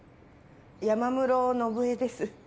山室信枝です。